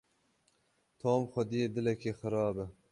Tom xwediyê dilekî xirab e.